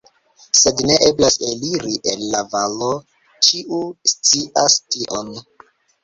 Sed ne eblas eliri el la valo, ĉiu scias tion.